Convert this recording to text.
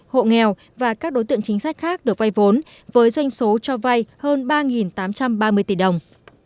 hộ nghèo và các đối tượng chính sách khác được vay vốn với doanh số cho vay hơn ba tám trăm ba mươi tỷ đồng